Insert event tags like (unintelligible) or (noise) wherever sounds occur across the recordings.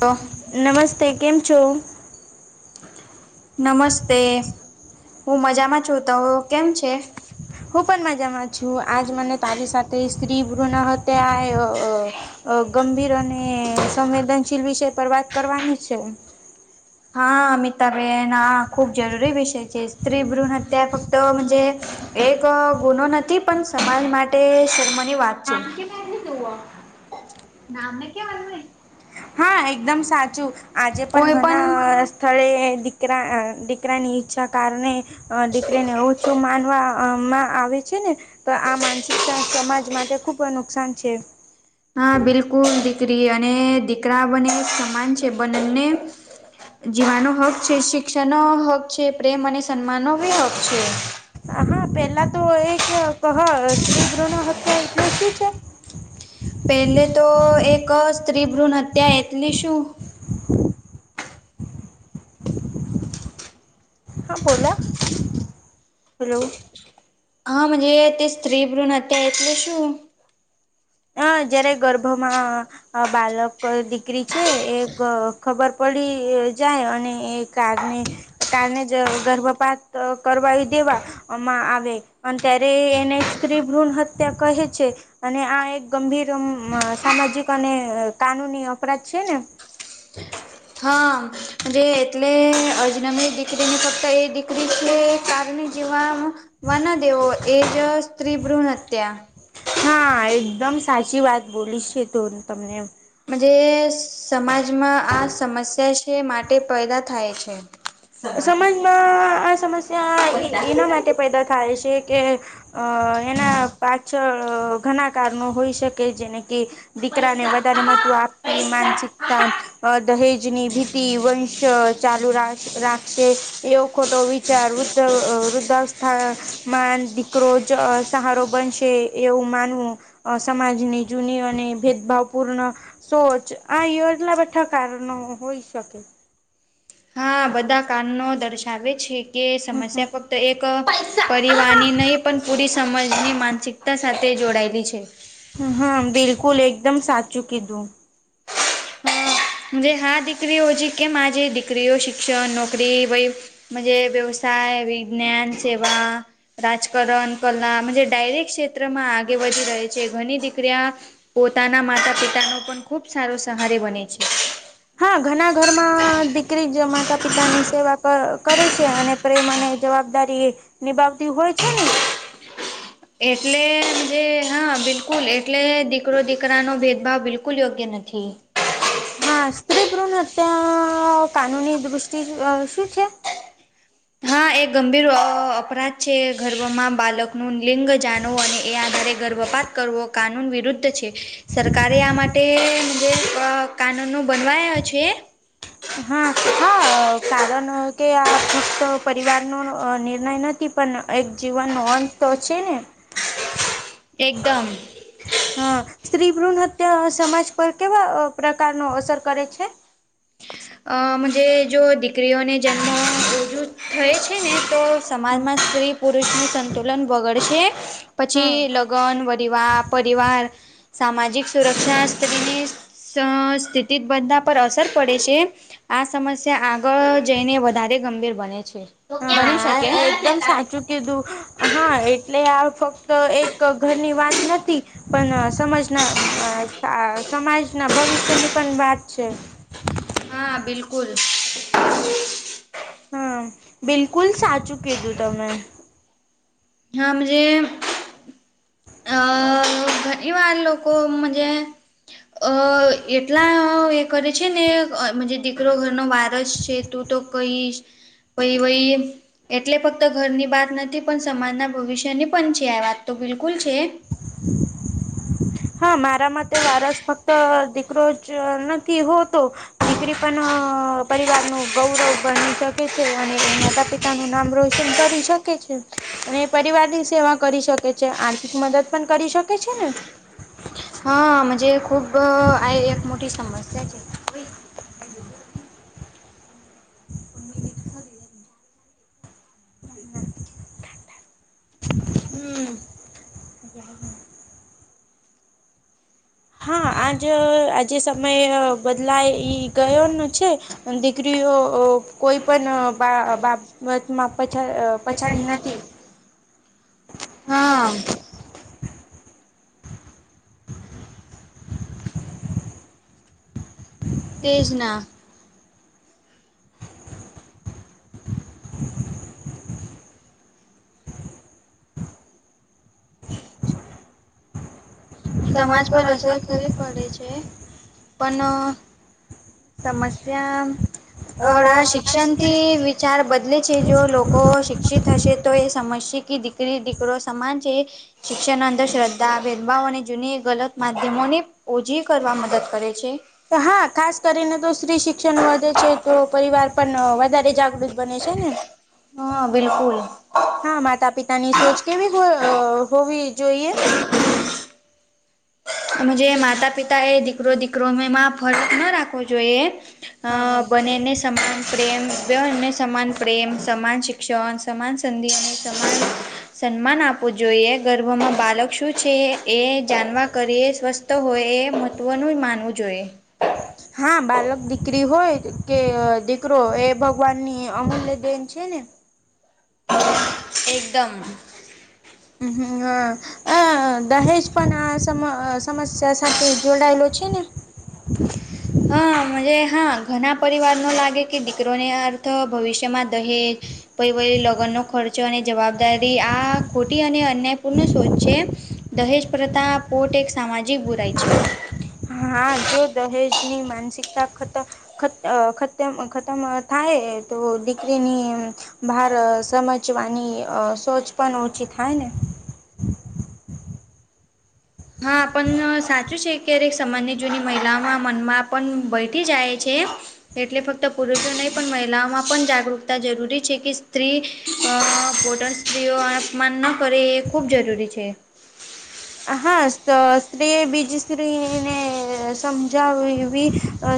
તો નમસ્તે કેમ છો નમસ્તે હું મજામાં છું તો કેમ છે હું પણ મજામાં છું આજ મને તારી સાથે સ્ત્રી બૃના આ ગંભીર અને સંવેદનશીલ વિષય પર વાત કરવાની છે હા અમિતાબેન હા ખૂબ જરૂરી વિષય છે સ્ત્રી ભ્રૂણ હતત્યા ફક્તજ એક ગુનો નથી પણ સમાજ માટે શર્મની વાત છે નામ ક્યા મરને હા એકદમ સાચું આજે પણ ઘણા સ્થળે દીકરા દીકરાની ઈચ્છા કારણે દીકરીને ઓછું માનવા માં આવે છે ને તો આ માનસિકતા સમાજ માટે ખૂબ નુકસાન છે હા બિલકુલ દીકરી અને દીકરા બને સમાન છે બંને જીવાનો હક છે શિક્ષણ નો હક છે પ્રેમ અને સન્માન નો બે હક છે હા પેલા તો એ કે ક શત્રી ભ્રણ હત્યા એટલે શું છે પેલે તો એક સ્ત્રી ભ્રૂણ હત્યા એટલી શું હા બોલા હેલો હાજ તે સ્ત્રી ભ્રણ હતા્યા એટલે શું હ જયારે ગર્ભમાં બાલક દીકરી છે એ ખબર પડી જાય અને એ કાર ને કારને જ ગર્ભપાત કરવા દેવા માં આવે અને ત્યારે એને એક સ્ત્રી ભ્રૂણ હત્યા કહે છે અને આ એક ગંભીર સામાજિક અને કાનૂની અપરાધ છે ને હા જે એટલે અજનમી દીકરી ને ફક્ત એ દીકરી છે કારની જીવાવામાં વન દેવો એજ સ્ત્રી ભ્રૂણ હત હત્યા. હા એકદમ સાચી વાત બોલી છે તો તમને. જે સમાજમાં આ સમસ્યા છે માટે પેદા થાય છે. સમાજમાં આ સમસ્યા એના માટે પેદા થાય છે. કે અ એના પાછળ ઘણા કારણો હોઈ શકે જેને કે દીકરાને પૈસા વધારે આહા મહત્વ આપતી પૈસા માનસિક તા આહા આ દહેજની ભીતિ વંશ ચાલુ રસ રાખ છે એવો ખોટો વિચાર વૃદ્ધ વ વ વૃદ્ધવસ્થા માન દીકરો જ સહારો બનશે એવું માનવું અ સમાજની જૂની અને ભેદભાવ પૂર્ણ સોચ આ યોજના બેઠા કારણો હોઈ શકે. હા બધા કારણો દર્શાવે છે કે હમ હમ સમસ્યા ફાક તો એક પરિવારની નહીં પણ પૂરી સમજની માનસિકતા સાથે જોડાયેલી છે. હ હા બિલકુલ એકદમ સાચું કીધું. જે હા દીકરી હો છે કેમ આ જે દીકરીઓ શિક્ષણ નોકરીય વહી મજે વ્યવસાય વિજ્ઞાન સેવા રાજકારણ કલા ડાયરેક ક્ષેત્રમાં આગે વધી રહે છે ઘણી દીકરીયા પોતાના માતા પિતાનો પણ ખૂબ સારો સહારે બને છે. હા ઘણા ઘરમાં દીકરી જ માતા પિતાની સેવા કર કરે છે અને પ્રેમ અને જવાબદારી નિભાવતી હોય છે ને. એટલેમ જે હા બિલકુલ એટલે દીકરો દીકરાનો ભેદભાવ બિલકુલ યોગ્ય નથી. હા સ્ત્રી ભૂણ અત્યા કાનૂની દૃષ્ટિ આ શું છે. હા એ ગંભીર અ અપરાધ છે ગર્ભમાં બાલકનું લિંગ જાણવ અને એ દરેક ગર્ભપાત કરવો કાનૂન વિરુદ્ધ છે. સરકારે આ માટે જે કા કાનૂનો બનવાયો છે. (inaudible) હા હા કારણ કે આ ફક્ત પરિવારનો નિર્ણય નથી પણ એક જીવનનો અંત તો છે ને. એકદમ. હા સ્ત્રી ભ્રૂણ હત્યા સમાજ પર કેવા પ્રકાર ન અસર કરે છે. આમ જે જો દીકરીઓને જન્મ યુ યુદ્ધ થાયે છે ને તો હા સમાજમાં સ્ત્રી પુરુષ નું સંતો લન બગડશે પછી હા. લગ્ન વારિવાર પરિવાર સામાજિક સુરક્ષા સ્થિતિ સ્થિતિ સા બધા પર અસર પડે છે. આ સમસ્યા આગળ જઈને વધારે ગંભીર બને છે. હા બની શકે આ એકદમ સાચું ચુ કીધું હા એટલે આ ફક્ત એક ઘરની વાત નથી પણ આ સમાજના આ સમાજના ભવિષ્યની પણ વાત છે. હા બિલકુલ. હા બિલકુલ સાચું કીધું તમે. હમજે આ ઘણીવાર લોકો હમજે અ એટલા એ કરે છે ને આ દીકરો ઘરનો વારસ છે તો તો કહીશ પાહિ વહી એટલે ફક્ત ઘરની બાત નથી પણ સમાજના ભવિષ્યની પણ છે આ વાત તો બિલકુલ છે. (inaudible) હા મારા માટે વારસ ફક્ત દીકરો જ નથી હોતો. દીકરી પણ પરિવાર નું ગૌરવ બની શકે છે અને એ માતા પિત તા નું નામ રોશન કરી શકે છે અને પરિવારની સેવા કરી શકે છે આર્થિક મદદ પણ કરી શકે છે ને? હા મજે ખૂબ આ એક મોટી સમસ્યા છે. (unintelligible) (unintelligible) (unintelligible) હમ (inaudible) હા આજ આજે સમય બદલાઈ ગયો ન છે. દીકરીઓ કોઈ પણ બા બાપ- બસ પછ પછાડી ન નથી. હા તેજના (unintelligible) સમાજ પર અસર કરવી પડે છે પણ સમસ્યા હળા આ શિક્ષણ વિ શિક્ષણથી વિચાર બદલે છે જો લોકો શિક્ષિત હશે તો એ સમજશે કે દીકરી દીકરો સમાન છે એ શિક્ષણ અંદર શ્રદ્ધા ભેદભાવ અને જૂની ગલત માધ્યમોને ઓછી કરવા મદદ કરે છે. હા ખાસ કરીને તો સ્ત્રી શિક્ષણ વધે છે તો પરિવાર પણ વધારે જાગૃત બને છે ને હા બિલકુલ! ! તેની સોચ કેવી હોવી જોઈએ. જે માતા પિતા એ દીકરો દીકરોમાં ફર્ક ના રાખવો જોઈએ. અ હા હા. બને એને સમાન પ્રેમ બ એને સમાન પ્રેમ સમાન શિક શ્ન સમાન સંધિ અને સમાન સન્માન આપવું જોઈએ ગર્ભમાં બાલક શું છે એ જાણવા કરીએ સ્વસ્થ હોય એ મહત્વનું માનવું જોઈએ. હ (unintelligible) હા બાલક દીકરી હોય કે દીકરો એ ભગવાનની અમૂલ્ય દેન છે ને એકદમ. હ હ હ અ દહેજ પણ આ સમસ્યા સાથે જોડાયેલુ છે ને? હા હા ઘણા પરિવારનો લાગે કે દીકરોને અર્થ ભવિષ્યમાં દહેજ પ વ લગ્નનો ખર્ચો અને જવાબદારી આ ખોટી અને અન્યાયપૂર્ણ શોચ છે. દહેજ પ્રથા પોતે એક સામાજિક બુરાય છે. હા જો દહેજની માનસિકતા ખતર ખ ખતમ ખતમ થાય તો દીકરીની ભાર સમજવાની સોચ પણ ઓછી થાય ને હા પણ સાચું છે ક્યારેક સામાન્ય જૂની મહિલાઓના મનમાં પણ બેઠી જાય છે. એટલે ફક્ત પુરુષો નહી પણ મહિલાઓમાં પણ જાગૃકતા જરૂરી છે કે સ્ત્રી પો સ્ત્રીઓ અપમાન ન કરે એ ખૂબ જરૂરી છે. હા સ્ત્રીએ બીજી સ્ત્રીને સમજાવી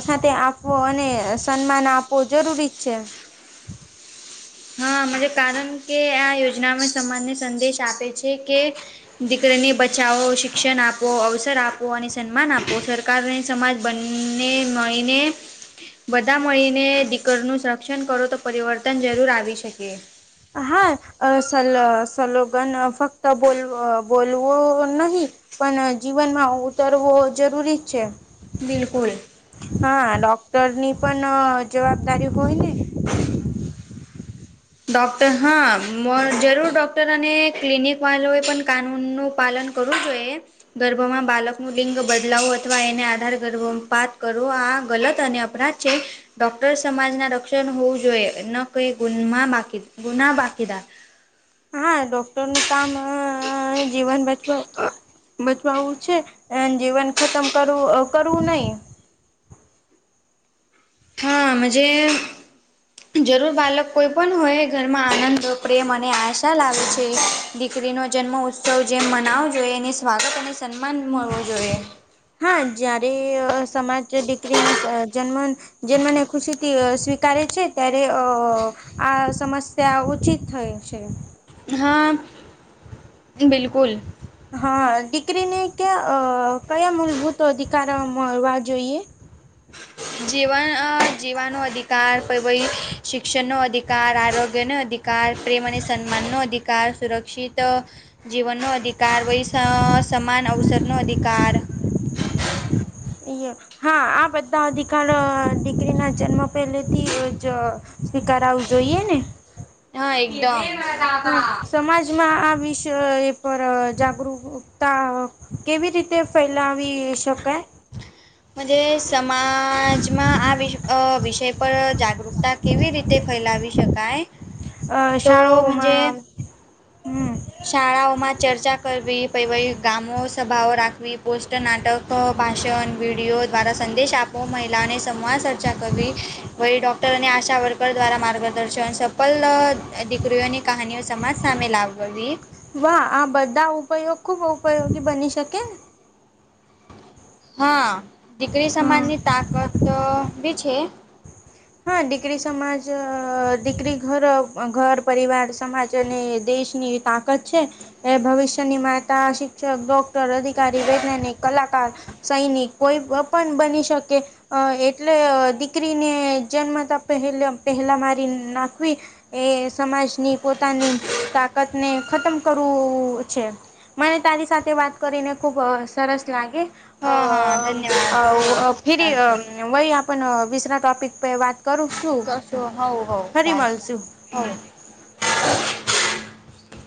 સાથે આપ હો અને સન્માન આપવો જરૂરી જ છે. હા મને કારણ કે આ યોજનામાં સમાજને સંદેશ આપે છે કે દીકરીને બચાવો શિક્ષણ આપો અવસર આપો અને સન્માન આપો સ સરકાર સમાજ બંને મળીને બધા મળીને દીકરીનું સંરક્ષણ કરો તો પરિવર્તન જરૂર આવી શકે. હા સલ સલોગન ફક્ત બોલ બોલવો નહી. પણ જીવનમાં ઉતરવો જરૂરી છે. બિલકુલ! હા ડોક્ટર ની પણ જવાબદારી હોય ને (unintelligible) ડોક્ટર હા જરૂર ડોક્ટર અને ક્લિનિક વાળો એ પણ કાનૂનનું પાલન કરવું જોઈએ. ગર્ભમાં બાળકનું લિંગ બદલાવો અથવા એને આધાર ગર્ભપાત કરવો, આ ગલત અને ડોક્ટર સમાજના રક્ષણ હોવું જોઈએ. એમન (unintelligible) હા, ડોક્ટરનું કામ જીવન બચવા બચવવું છે, એ જીવન ખતમ કરવું કરવું નહી. હા, જે જરૂર બાળક કોઈ પણ હોય, ઘરમાં આનંદ, પ્રેમ અને આશા લાવે છે. દીકરીનો જન્મ ઉત્સવ જેમ મનાવો જોઈએ, એને સ્વાગત અને સન્માન મળવો જોઈએ. હા, જયારે સમાજ દીકરીના જન્મ જે, મને ખુશીથી સ્વીકારે છે, ત્યારે અ આ સમસ્યા ઉચિત થાય છે. હા, બિલકુલ. હા, દીકરીને ક્યાં કયા મૂલભૂત અધિકાર મળવા જોઈએ? જીવન જીવાનો અધિકાર પછી શિક્ષણનો અધિકાર, આરોગ્યનો અધિકાર પ્રેમ અને સન્માનનો અધિકાર, સુરક્ષિત જીવનનો અધિકાર, પછી સમાન અવસરનો અધિકાર હા, આ બધા અધિકાર દીકરીના જન્મ પહેલે થી જ સ્વીકારવું જોઈએ ને? હા, એટલો. હા, સમાજમાં આ વિષય પર જાગૃકતા કેવી રીતે ફેલાવી શકાય? સમાજમાં આ વિષય પર જાગૃત કેવી રીતે ફેલાવી શકાય? અ તો શાળાઓમાં, મજે હમ્મ. શાળાઓમાં ચર્ચા કરવી, પછી ગામો સભાઓ રાખવી, પોસ્ટર નાટક અ ભાષણ વિડીયો દ્વારા સંદેશ આપો, મહિલાઓને સંવાદ સર્ચા કરવી પછી ડોક્ટર અને આશા વર્કર દ્વારા માર્ગદર્શન સફલ દીકરીઓની કહાનીઓ સમાજ સામે લાવી બધી વાહ, આ બધા ઉપયોગ ખુબ ઉપયોગી બની શકે હા, દીકરી હા સમાનની તાકતબી છે. હા, દીકરી સમાજ દીકરી ઘર-ઘર પરિવાર સમાજ અને દેશની તાકાત છે. એ ભવિષ્યની માતા, શિક્ષક, ડોક્ટર, અધિકારી, વૈજ્ઞાનિક, કલાકાર સૈનિક કોઈ પણ બની શકે, એટલે દીકરીને જન્મતા પહેલા મારી નાખવી એ સમાજની પોતાની તાકાતને ખતમ કરવું છે. મને, તારી સાથે વાત કરીને ખુબ સરસ લાગે હા હા ધન્યવાદ હો અ ફરી ચાલશે વહી આપણે બીજા ટોપિક વાત કરીશું કશું હવ હવ ફરી ચાલશે મળશું. હવ